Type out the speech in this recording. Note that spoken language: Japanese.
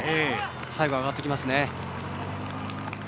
最後は上がってきますね。